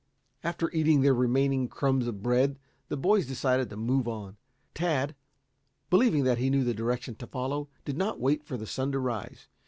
After eating their remaining crumbs of bread, the boys decided to move on. Tad, believing that he knew the direction to follow, did not wait for the sun to rise.